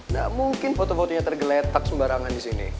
gak mungkin foto fotonya tergeletak sembarangan di sini